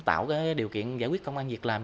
tạo điều kiện giải quyết công an việc làm